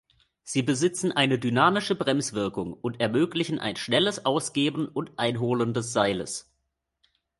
Sie besitzen eine dynamische Bremswirkung und ermöglichen ein schnelles Ausgeben und Einholen des Seiles.